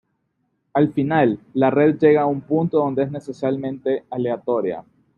Al final, la red llega a un punto donde es esencialmente aleatoria.